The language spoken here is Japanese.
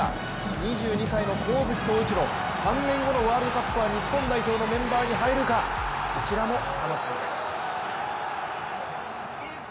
２２歳の上月壮一郎３年後のワールドカップは日本代表のメンバーに入るか、こちらも楽しみです。